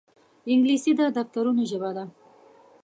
انګلیسي د دفترونو ژبه ده